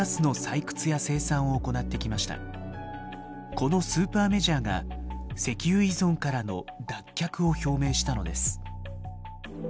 このスーパーメジャーが石油依存からの脱却を表明したのです。